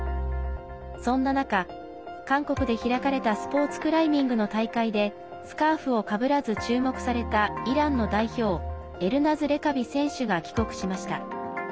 そんな中、韓国で開かれたスポーツクライミングの大会でスカーフをかぶらず注目されたイランの代表エルナズ・レカビ選手が帰国しました。